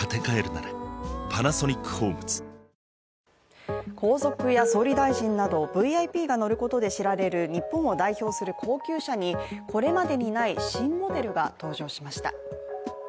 続く皇族や総理大臣などＶＩＰが乗ることで知られる日本を代表する高級車にこれまでにない新モデルが登場しました。